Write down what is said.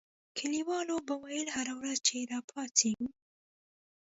کلیوالو به ویل هره ورځ چې را پاڅېږو.